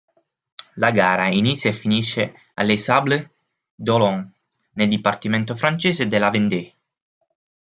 La gara inizia e finisce a Les Sables-d'Olonne, nel dipartimento francese della Vendée.